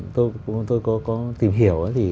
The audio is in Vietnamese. tôi có tìm hiểu